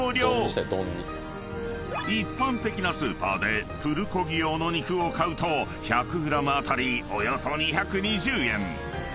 ［一般的なスーパーでプルコギ用の肉を買うと１００ｇ当たりおよそ２２０円］